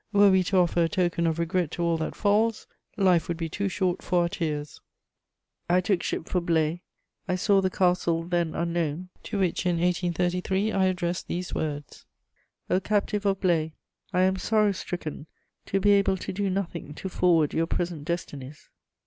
Were we to offer a token of regret to all that falls, life would be too short for our tears. I took ship for Blaye. I saw the castle, then unknown, to which in 1833 I addressed these words: "O captive of Blaye, I am sorrow stricken to be able to do nothing to forward your present destinies!"